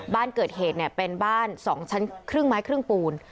บ้านเกิดเหตุเป็นบ้าน๒ชั้นครึ่งไม้ครึ่งปูน